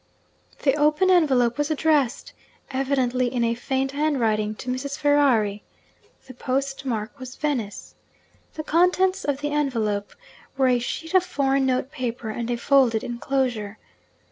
The open envelope was addressed (evidently in a feigned hand writing) to 'Mrs. Ferrari.' The post mark was 'Venice.' The contents of the envelope were a sheet of foreign note paper, and a folded enclosure.